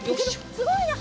すごいね！